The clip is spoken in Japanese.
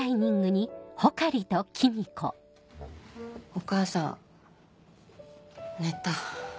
お母さん寝た。